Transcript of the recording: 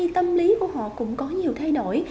tâm lý của họ cũng có nhiều thay đổi